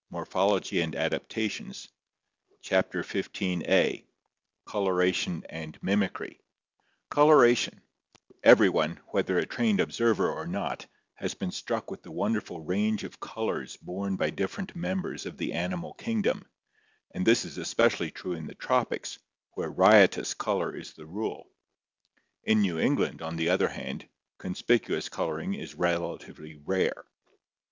Morphology and Adaptations CHAPTER XV » Coloration and Mimicry coloration Everyone, whether a trained observer or not, has been struck with the wonderful range of colors borne by different members of the animal kingdom, and this is especially true in the tropics, where riotous color is the rule. In New England, on the other hand, conspicuous coloring is relatively rare.